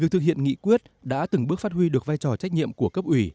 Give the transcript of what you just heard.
thực hiện nghị quyết đã từng bước phát huy được vai trò trách nhiệm của cấp ủy